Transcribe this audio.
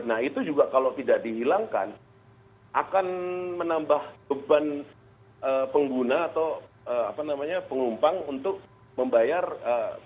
nah itu juga kalau tidak dihilangkan akan menambah beban pengguna atau penumpang untuk membayar